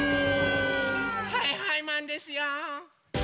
はいはいマンですよ！